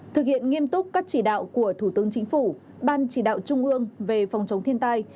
thực hiện nghiêm túc các chỉ đạo của thủ tướng chính phủ ban chỉ đạo trung ương về phòng chống thiên tai